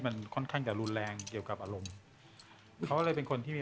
มันค่อนข้างจะรุนแรงเกี่ยวกับอารมณ์เขาเลยเป็นคนที่มี